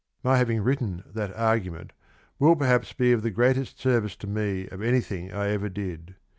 My having written that argument will perhaps be of the greatest service to me of anything I ever did.